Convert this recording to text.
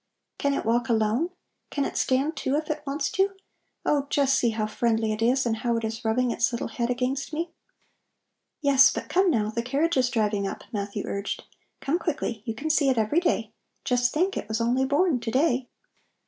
Can it walk alone? Can it stand, too, if it wants to? Oh, just see how friendly it is and how it is rubbing its little head against me." "Yes, but come, now; the carriage is driving up," Matthew urged. "Come quickly, you can see it every day. Just think! It was only born to day."